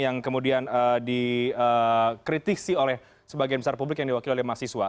yang kemudian dikritisi oleh sebagian besar publik yang diwakili oleh mahasiswa